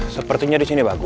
sepertinya di sini bagus